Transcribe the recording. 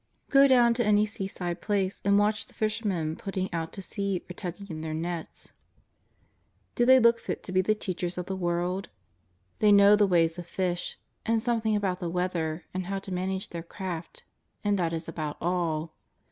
Go down to any seaside place and watch the fishermen put ting out to sea or tugging in their nets. Do they look 170 JESUS OF ITAZARETH. I7l fit to be the teachers of the world? They know the ways of fish, and something about the weather, and how to manage their craft — and that is about all.